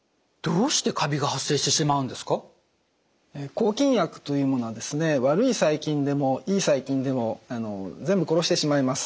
抗菌薬というものは悪い細菌でもいい細菌でも全部殺してしまいます。